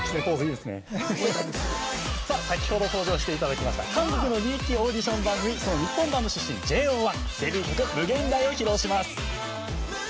先ほど登場していただきました韓国の人気オーディション番組その日本版の出身、ＪＯ１は「無限大」を披露します。